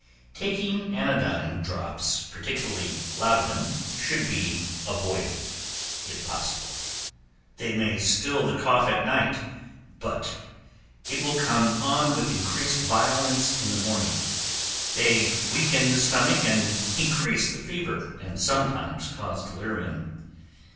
Taking anodyne drops, particularly laudanum, should be avoided, if possible; they may still the cough during the night, but it will come on with increased violence in the morning; they weaken the stomach, increase the fever, and sometimes cause delirium.